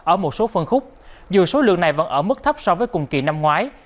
ở một số phân khúc dù số lượng này vẫn ở mức thấp so với cùng kỳ năm ngoái